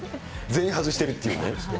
全員外してるっていう。